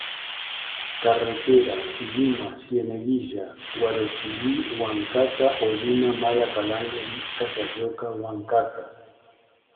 Carretera: Lima-Cieneguilla-Huarochirí-Huancata o Lima-Mala-Calango-Viscas-Alloca-Huancata.